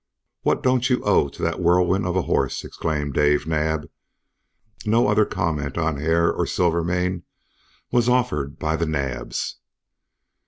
"What don't you owe to that whirlwind of a horse!" exclaimed Dave Naab. No other comment on Hare or Silvermane was offered by the Naabs.